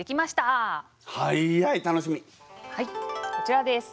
はいこちらです。